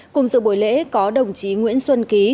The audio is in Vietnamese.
cùng dự buổi lễ có đồng chí nguyễn xuân ký